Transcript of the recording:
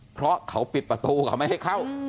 เพราะเขาปิดประตูเขาไม่ให้เข้า